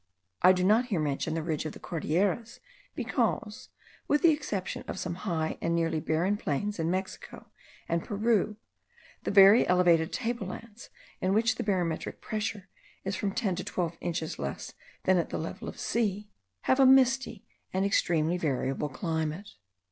I do not here mention the ridge of the Cordilleras, because, with the exception of some high and nearly barren plains in Mexico and Peru, the very elevated table lands, in which the barometric pressure is from ten to twelve inches less than at the level of the sea, have a misty and extremely variable climate.